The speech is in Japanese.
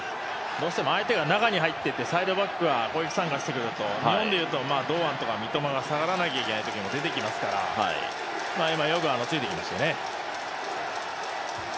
どうしても相手が中に入って、サイドバックが出ると日本でいうと堂安とか三笘が下がらないといけないときが出てきますから今、よくついていきましたよね。